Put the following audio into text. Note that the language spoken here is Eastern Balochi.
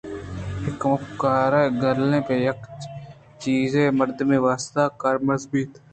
اے کُمکّار گالے پہ یک چیز ءُ مردمے ءِ واست ءَ کارمرز بیت